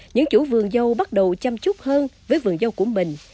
những chủ vườn dâu bắt đầu chăm chút hơn với vườn dâu của mình